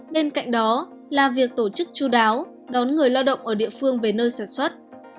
bên cạnh đó là việc tổ chức chú đáo đón người lao động ở địa phương về nơi sản xuất